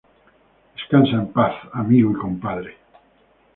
Descansa en paz amigo y compadre"